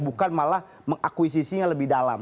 bukan malah mengakuisisinya lebih dalam